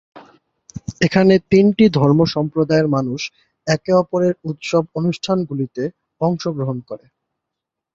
এখানে তিনটি ধর্ম সম্প্রদায়ের মানুষ একে অপরের উৎসব-অনুষ্ঠানগুলিতে অংশগ্রহণ করে।